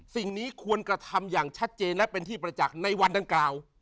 สิ่งนี้ควรกระทำอย่างชัดเจนและเป็นที่ประจักษ์ในวันดังกล่าว